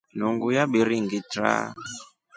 Nungu yabiringitra.